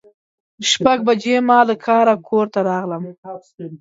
شپږ بجې ما له کاره کور ته راغلم.